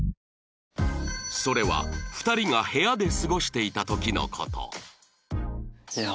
それは２人が部屋で過ごしていた時の事